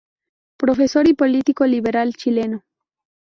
Profesor y político liberal chileno.